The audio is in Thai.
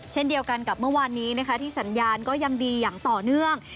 เช่นเดียวกันกับเมื่อวานนี้นะคะที่สัญญาณก็ยังดีอย่างต่อเนื่อง